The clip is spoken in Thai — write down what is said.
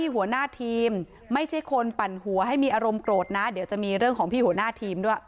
หัวหน้าทีมไม่ใช่คนปั่นหัวให้มีอารมณ์โกรธนะเดี๋ยวจะมีเรื่องของพี่หัวหน้าทีมด้วย